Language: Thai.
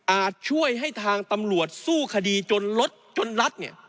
ช่วยให้ทางตำรวจสู้คดีจนลดจนรัฐเนี่ย